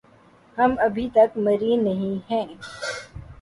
ہم أبھی تک مریں نہیں ہے۔